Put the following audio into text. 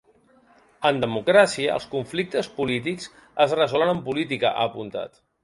En democràcia, els conflictes polítics es resolen amb política, ha apuntat.